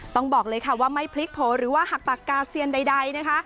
บอกเลยค่ะว่าไม่พลิกโผล่หรือว่าหักปากกาเซียนใดนะคะ